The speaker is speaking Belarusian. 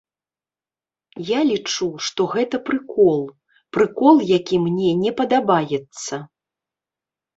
Я лічу, што гэта прыкол, прыкол, які мне не падабаецца.